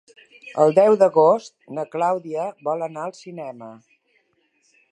El deu d'agost na Clàudia vol anar al cinema.